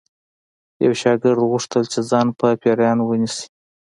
یو شاګرد غوښتل چې ځان په پیریانو ونیسي